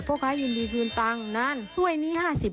พ่อคะยินดีพื้นตังค์นั้นถ้วยนี้๕๐บาท๖อัน